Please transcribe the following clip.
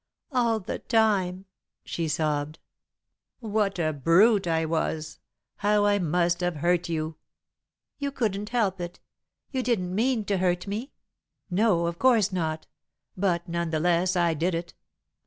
"All the time," she sobbed. "What a brute I was! How I must have hurt you!" "You couldn't help it. You didn't mean to hurt me." "No, of course not, but, none the less I did it.